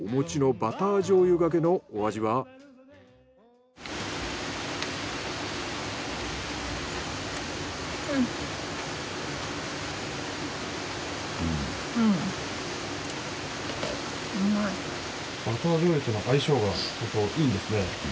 バター醤油との相性がいいんですね。